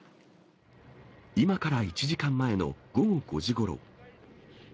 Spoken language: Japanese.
今から１時間前の午後５時ごろ。